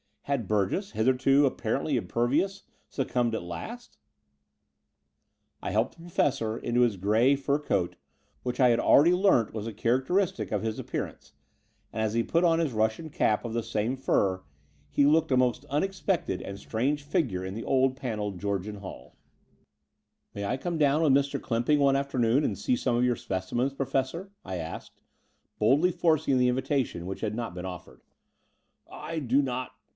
Had Burgess, hitherto apparently impervious, sue cimibed at last ? T helped the Professor into his grey fur coat, which I had already learnt was a characteristic of his appearance; and, as he put on his Russian cap of the same fur, he looked a most tmexpected and strange figure in the old panelled Georgian hall. 102 The Door of the Unreal May I come down with Mr. Clymping one afternoon and see some of yoiir specimens, Pro fessor?" I asked, boldly forcing the invitation which had not been oflEered. "I do not